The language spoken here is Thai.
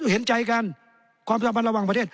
เห็นใจกันความสามารถระวังประเทศ